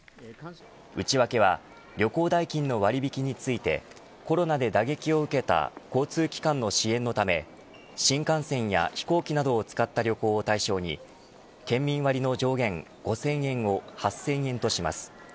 内訳は旅行代金の割引についてコロナで打撃を受けた交通機関の支援のため新幹線や飛行機などを使った旅行を対象に県民割の上限５０００円を８０００円とします。